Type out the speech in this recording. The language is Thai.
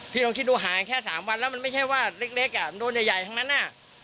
พี่ต้องคิดดูหายแค่๓วันแล้วมันไม่ใช่ว่าเล็กอ่ะมันโดนใหญ่ทั้งนั้นน่ะ